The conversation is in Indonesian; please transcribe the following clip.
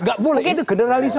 nggak boleh itu generalisasi